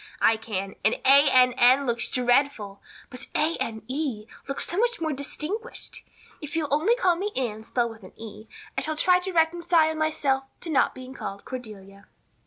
I can; and A n n looks dreadful, but A n n e looks so much more distinguished. If you'll only call me Anne spelled with an E I shall try to reconcile myself to not being called Cordelia."